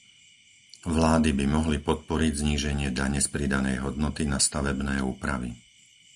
Vlády by mohli podporiť zníženie dane z pridanej hodnoty na stavebné úpravy.